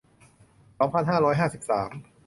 สองพันห้าร้อยห้าสิบสาม